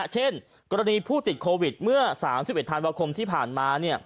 เช่นกรณีผู้ติดโควิดเมื่อ๓๑ธันวาคมที่ผ่านมา